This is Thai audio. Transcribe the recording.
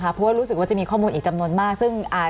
เพราะว่ารู้สึกว่าจะมีข้อมูลอีกจำนวนมากซึ่งอ่า